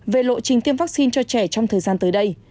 về lộ trình tiêm vaccine cho trẻ trong thời gian tới đây